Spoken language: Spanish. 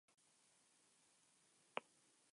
El nombre del actual modelo de la Dra.